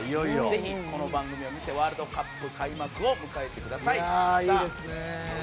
ぜひ、この番組を見てワールドカップ開幕を迎えてください。